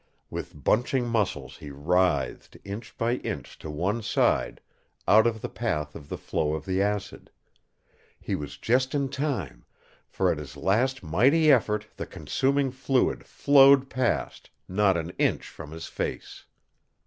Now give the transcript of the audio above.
With bunching muscles he writhed inch by inch to one side, out of the path of the flow of the acid. He was just in time, for, at his last mighty effort, the consuming fluid flowed past, not an inch from his face.